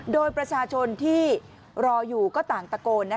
โดยประชาชนที่รออยู่ก็ต่างตะโกน